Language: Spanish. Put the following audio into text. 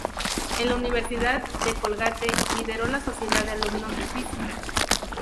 En la Universidad de Colgate lideró la Sociedad de Alumnos de Física.